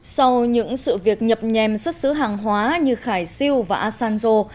sau những sự việc nhập nhèm xuất xứ hàng hóa như khải siêu và asanjo